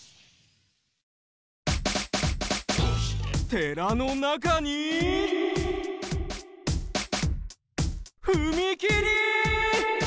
寺の中にふみきり！